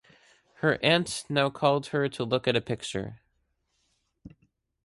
Her aunt now called her to look at a picture.